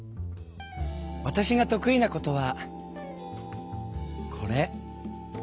わたしが得意なことはこれ。